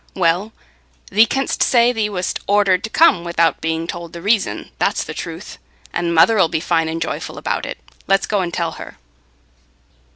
"Well, thee canst say thee wast ordered to come without being told the reason. That's the truth. And mother 'ull be fine and joyful about it. Let's go and tell her."